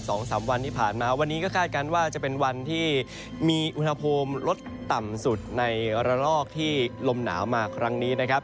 สองสามวันที่ผ่านมาวันนี้ก็คาดการณ์ว่าจะเป็นวันที่มีอุณหภูมิลดต่ำสุดในระลอกที่ลมหนาวมาครั้งนี้นะครับ